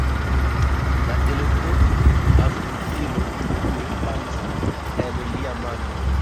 La telefonaŭskultilo brue falis el lia mano.